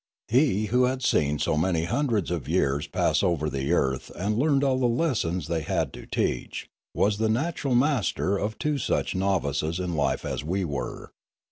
He who had seen so many hundreds of years pass over the earth and learned all the lessons they had to teach was the natural master of two such novices in life as we were.